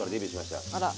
あら。